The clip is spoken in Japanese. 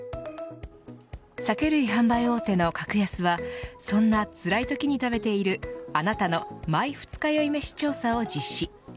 酒類販売大手のカクヤスはそんなつらいときに食べているあなたのＭｙ二日酔いメシ調査を実施。